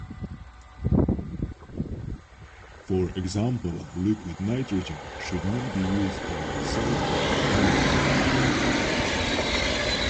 For example liquid nitrogen should not be used for the sake of novelty.